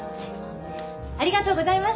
ありがとうございます。